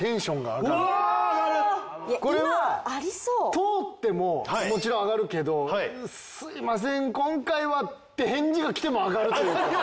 通ってももちろん上がるけど「すいません今回は」って返事が来ても上がるという。